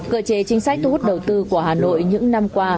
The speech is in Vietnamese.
cơ chế chính sách thu hút đầu tư của hà nội những năm qua